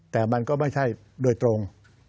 แต่มันก็ไม่ใช่โดยตรง